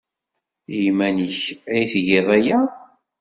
I yiman-nnek ay tgiḍ aya?